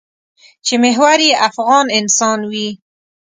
چې محور یې افغان انسان وي.